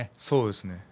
そうですね。